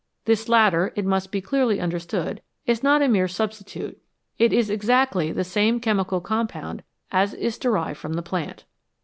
This latter, it must be clearly understood, is not a mere substitute ; it is exactly the same chemical compound as is derived from the plant.